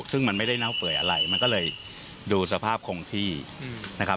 ซึ่งมันไม่ได้เน่าเปื่อยอะไรมันก็เลยดูสภาพคงที่นะครับ